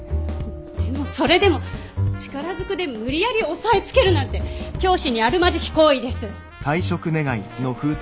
でもそれでも力ずくで無理やり押さえつけるなんて教師にあるまじき行為です。